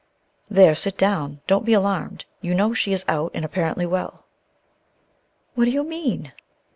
"There, sit down. Don't be alarmed; you know she is out and apparently well." "What do you mean?"